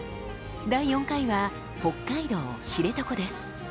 第４回は北海道・知床です。